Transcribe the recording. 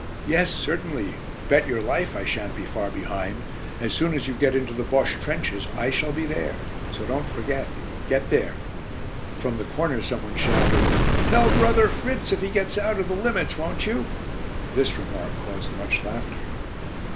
"Yes, certainly; bet your life I shan't be far behind. As soon as you get into Bosche trenches I shall be there; so don't forget get there." From the corner some one shouted: "Tell brother Fritz if he gets out of 'the limits,' won't you?" This remark caused much laughter.